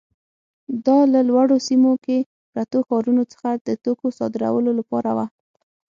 دا له لوړو سیمو کې پرتو ښارونو څخه د توکو صادرولو لپاره وه.